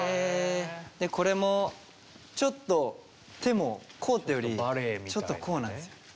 でこれもちょっと手もこうっていうよりちょっとこうなんですよね。